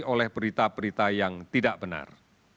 oleh berita berita yang tidak benar